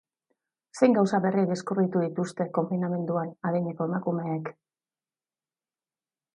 Zein gauza berri deskubritu dituzte konfinamenduan adineko emakumeek?